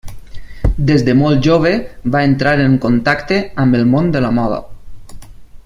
Des de molt jove va entrar en contacte amb el món de la moda.